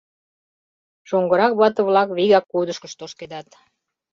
Шоҥгырак вате-влак вигак кудышкышт ошкедат.